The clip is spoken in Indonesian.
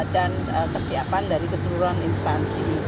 dan kesiapan dari keseluruhan instansi